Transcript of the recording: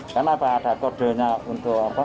karena ada kodenya untuk tata menarik